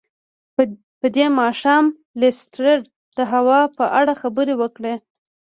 په دې ماښام لیسټرډ د هوا په اړه خبرې وکړې.